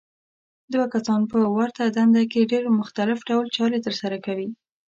دوه کسان په ورته دنده کې په ډېر مختلف ډول چارې ترسره کوي.